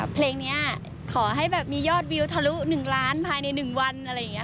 เพลงนี้ขอให้มียอดวิวทะลุ๑ล้านภายใน๑วัน